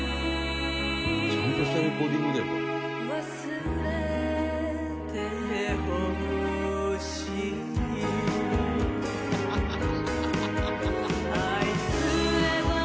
「ちゃんとしたレコーディングだよこれ」「ハハハハ！」